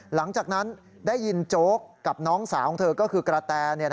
หลังจากนั้นได้ยินโจ๊กกับน้องสาวของเธอก็คือกระแต